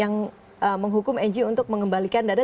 yang menghukum ng untuk mengembalikan dana